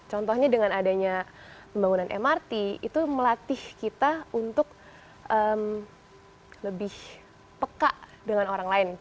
contohnya dengan adanya pembangunan mrt itu melatih kita untuk lebih peka dengan orang lain